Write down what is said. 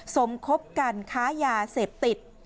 สมคบกันค้ายาเสพติด